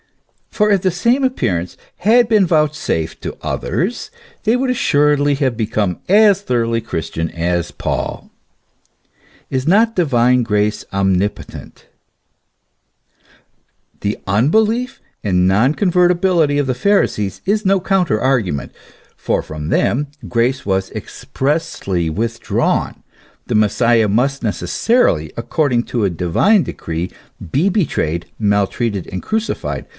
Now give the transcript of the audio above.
For if the same appearance had been vouchsafed to others, they would assuredly have become as thoroughly Christian as Paul. Is not divine grace omnipotent ? The unbelief and non con vertibility of the Pharisees is no counter argument ; for from them grace was expressly withdrawn. The Messiah must necessarily, according to a divine decree, be betrayed, mal treated and crucified.